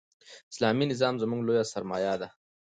اسلامي نظام زموږ لویه سرمایه ده.